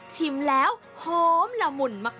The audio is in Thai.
ชิมแล้วหอมละมุนมาก